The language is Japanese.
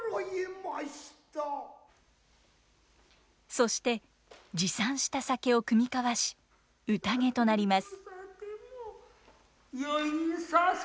そして持参した酒を酌み交わし宴となります。